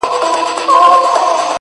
يو څو د ميني افسانې لوستې”